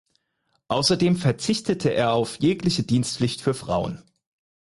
Ausserdem verzichtete er auf jegliche Dienstpflicht für Frauen.